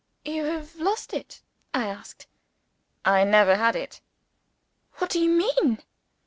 "You have lost it?" I asked. "I never had it." "What do you mean?"